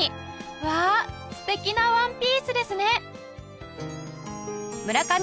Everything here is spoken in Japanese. うわあ素敵なワンピースですね